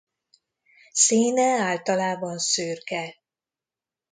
Színe általában szürke.